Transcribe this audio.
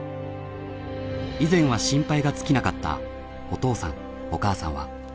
以前は心配が尽きなかったお父さんお母さんは。